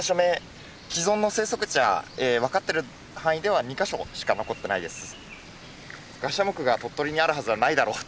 既存の生息地は分かってる範囲では２か所しか残ってないです。